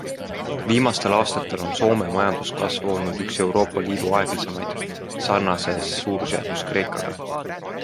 Viimastel aastatel on Soome majanduskasv olnud üks Euroopa Liidu aeglasemaid, sarnases suurusjärgus Kreekaga.